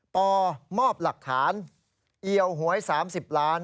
ปมอบหลักฐานเอี่ยวหวย๓๐ล้าน